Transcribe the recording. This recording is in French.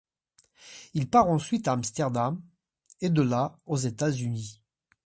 Il part ensuite à Amsterdam et, de là, aux États-Unis.